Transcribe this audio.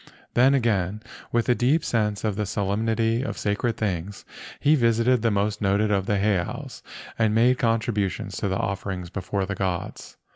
Then again, with a deep sense of the solemnity of sacred things, he visited the most noted of the heiaus and made contributions to the offerings before the gods.